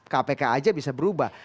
kpk aja bisa berubah